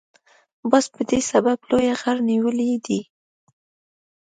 باز په دې سبب لوی غر نیولی دی.